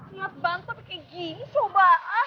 niat bantet kayak gini coba